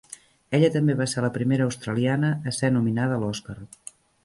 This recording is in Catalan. Ella també va ser la primera australiana a ser nominada a l'Oscar.